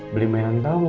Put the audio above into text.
beli mainan kamu